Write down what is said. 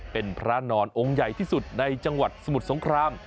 เป็นพระนอนองค์ใหญ่ที่สุดในจังหวัดสมุทรสงคราม